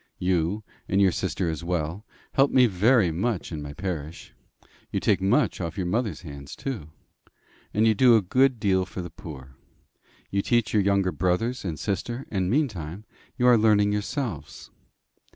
You, and your sister as well, help me very much in my parish. You take much off your mother's hands too. And you do a good deal for the poor. You teach your younger brothers and sister, and meantime you are learning yourselves."